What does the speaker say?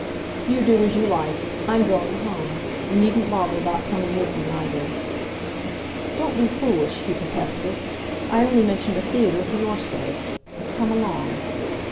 "You do as you like. I'm going home. You needn't bother about coming with me, either." "Don't be foolish," he protested. "I only mentioned a theatre for your sake. Come along."